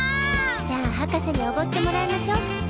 じゃあ博士におごってもらいましょ。